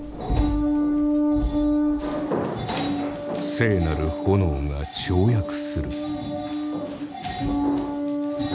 聖なる炎が跳躍する。